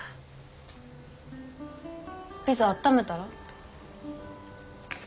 ピザあっためたら？